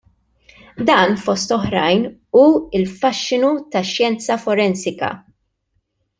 Dan fost oħrajn, hu l-faxxinu tax-xjenza forensika.